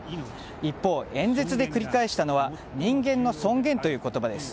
一方、演説で繰り返したのは人間の尊厳という言葉です。